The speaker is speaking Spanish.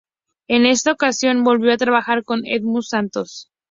En esa ocasión volvió a trabajar con Edmundo Santos.